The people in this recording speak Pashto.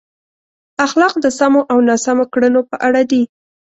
اخلاق د سمو او ناسم کړنو په اړه دي.